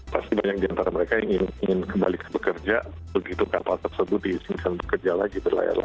pasti banyak di antara mereka yang ingin kembali bekerja begitu kapal tersebut diizinkan bekerja lagi berlayar laya